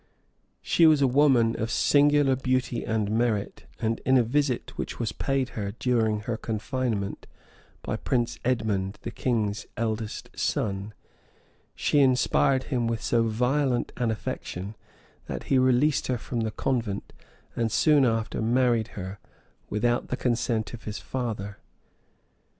She was a woman of singular beauty and merit; and in a visit which was paid her, during her confinement, by Prince Edmond, the king's eldest son, she inspired him with so violent an affection, that he released her from the convent, and soon after married her, without the consent of his father.